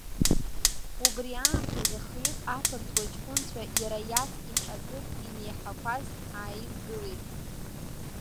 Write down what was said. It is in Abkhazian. Убри аамҭазы, хҩык ақырҭуа ҷкәынцәа иара иаҵкьыс акыр инеиҳақәаз ааидгылеит.